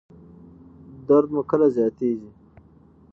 درد مو کله زیاتیږي؟